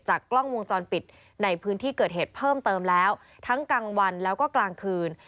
กล้องวงจรปิดในพื้นที่เกิดเหตุเพิ่มเติมแล้วทั้งกลางวันแล้วก็กลางคืน